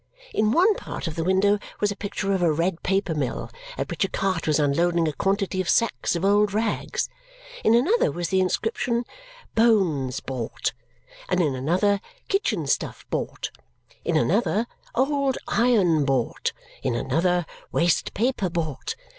In one part of the window was a picture of a red paper mill at which a cart was unloading a quantity of sacks of old rags. In another was the inscription BONES BOUGHT. In another, KITCHEN STUFF BOUGHT. In another, OLD IRON BOUGHT. In another, WASTE PAPER BOUGHT.